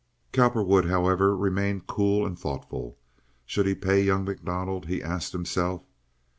Cowperwood, however, remained cool and thoughtful. Should he pay young MacDonald? he asked himself.